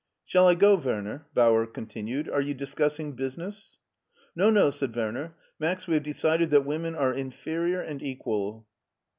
"Shall I go, Werner?" Bauer continued; *'are you discussing business ?"" No, no," said Werner. " Max, we have decided that women are inferior and equal."